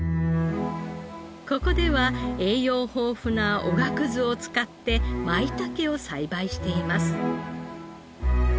ここでは栄養豊富なおがくずを使って舞茸を栽培しています。